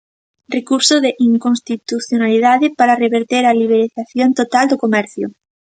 Recurso de inconstitucionalidade para reverter a liberalización total do comercio.